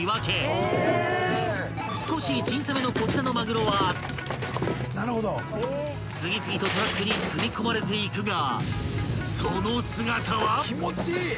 ［少し小さめのこちらのまぐろは次々とトラックに積み込まれていくがその姿は］